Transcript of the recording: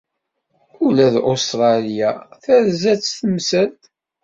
Ula d Ustṛalya terza-tt temsalt.